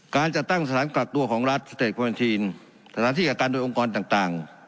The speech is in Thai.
การจัดตั้งสถานกักตัวของรัฐสเตจควานทีนสถานที่กักกันโดยองค์กรต่าง